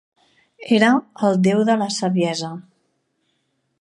Era el déu de la saviesa.